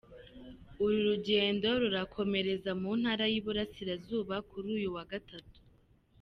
Uru rugendo rurakomereza mu ntara y’Iburasirazuba kuri uyu wa gatatu.